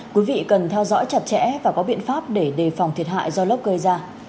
quý vị cần theo dõi chặt chẽ và có biện pháp để đề phòng thiệt hại do lốc gây ra